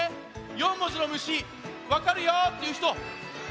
４文字の虫わかるよっていうひと？